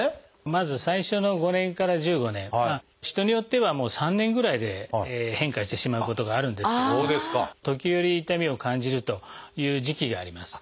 まず最初の５年から１５年人によっては３年ぐらいで変化してしまうことがあるんですけど時折痛みを感じるという時期があります。